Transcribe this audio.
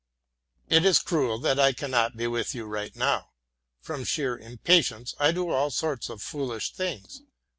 It is cruel that I cannot be with you right now. From sheer impatience I do all sorts of foolish things.